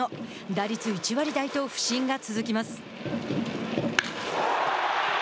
打率１割台と不振が続きます。